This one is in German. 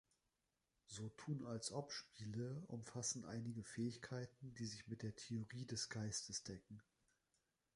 „So tun als ob“-Spiele umfassen einige Fähigkeiten, die sich mit der Theorie des Geistes decken.